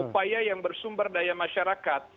upaya yang bersumber daya masyarakat